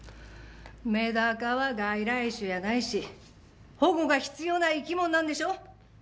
メダカは外来種やないし保護が必要な生き物なんでしょ？